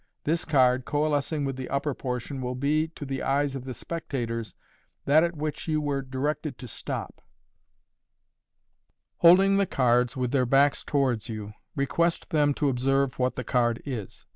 This card, coalescing with the upper portion, will be, to the eyes of the spectators, that at which you were directed to sUy, Holding the cards with their backs towards you, request them to observe what the card is.